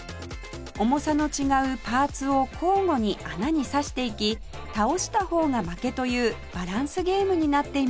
重さの違うパーツを交互に穴に挿していき倒した方が負けというバランスゲームになっています